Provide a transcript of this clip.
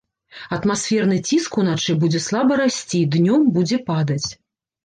Атмасферны ціск уначы будзе слаба расці, днём будзе падаць.